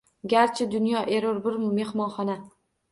Garchi dunyo erur bir mehmonhona